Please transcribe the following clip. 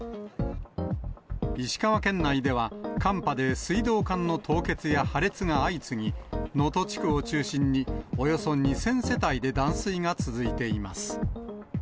石川県内では、寒波で水道管の凍結や破裂が相次ぎ、能登地区を中心に、およそ２０００世帯で断水が続いています。